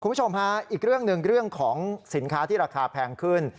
คุณผู้ชมฮะอีกเรื่องหนึ่งเรื่องของสินค้าที่ราคาแพงขึ้น